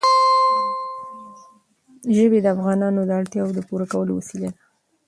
ژبې د افغانانو د اړتیاوو د پوره کولو وسیله ده.